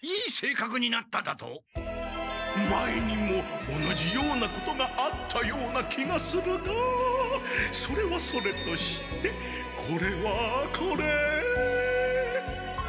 前にも同じようなことがあったような気がするがそれはそれとしてこれはこれ。